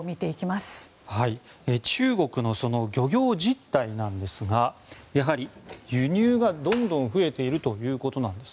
中国の漁業実態ですがやはり輸入がどんどん増えているということなんです。